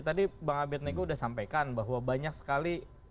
tadi bang abed nego sudah sampaikan bahwa banyak sekali